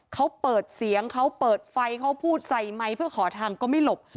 เขาเปิดเสียงเขาเปิดไฟเขาพูดใส่ไมค์เพื่อขอทางก็ไม่หลบ